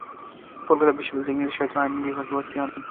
কলকাতা বিশ্ববিদ্যালয়ে ইংরেজি সাহিত্য ও আইন বিভাগে ভর্তি হন।